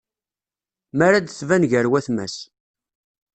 Mi ara d-tban gar watma-s.